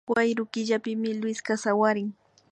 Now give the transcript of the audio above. Wayru killapimi Luiska sawarin